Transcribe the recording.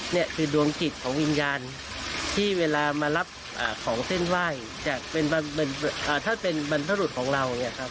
เนี่ยคือดวงติดของวิญญาณที่เวลามารับของเส้นไหว่ยากเป็นมาถ้าเป็นบรรพบุรุษของเรานี่ครับ